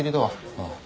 ああ。